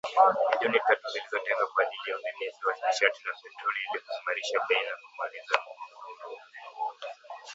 milioni tatu zilizotengwa kwa ajili ya Udhibiti wa Nishati na Petroli ili kuimarisha bei na kumaliza mgogoro huo.